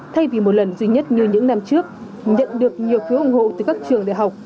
thay vì một lần duy nhất như những năm trước nhận được nhiều phiếu ủng hộ từ các trường đại học